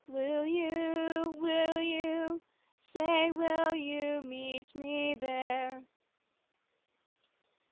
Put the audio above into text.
Will you ? will you ? Say, will you meet me there